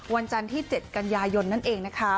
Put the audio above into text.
วันจันทร์ที่๗กันยายนนั่นเองนะคะ